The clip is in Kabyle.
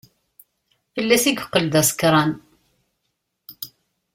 Fell-as i yeqqel d asekṛan.